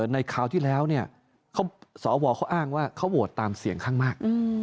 คราวที่แล้วเนี่ยสวเขาอ้างว่าเขาโหวตตามเสียงข้างมาก